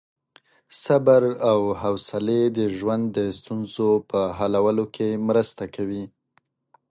صبر او حوصلې د ژوند د ستونزو په حلولو کې مرسته کوي.